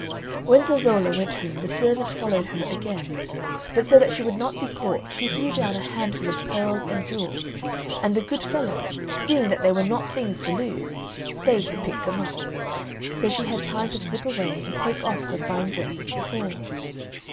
When Zezolla went home the servant followed her again, but so that she should not be caught she threw down a handful of pearls and jewels, and the good fellow, seeing that they were not things to lose, stayed to pick them up. So she had time to slip away and take off her fine dress as before.